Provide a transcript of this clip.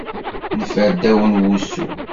Neffer ddaw n wussu.